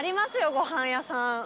ごはん屋さん。